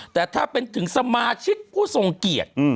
แต่ถ้าเป็นถึงสมาชิกผู้ทรงเกียรติ